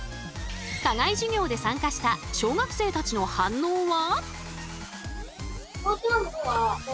課外授業で参加した小学生たちの反応は？